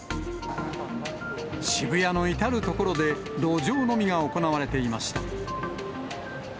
渋谷の至る所で路上飲みが行われていました。